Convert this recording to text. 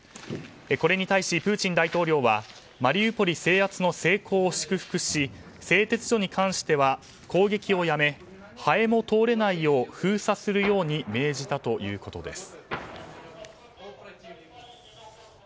これに対し、プーチン大統領はマリウポリ制圧の成功を祝福し製鉄所に関しては攻撃をやめハエも通れないよう封鎖するように命じたということです。